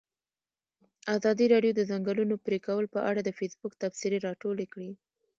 ازادي راډیو د د ځنګلونو پرېکول په اړه د فیسبوک تبصرې راټولې کړي.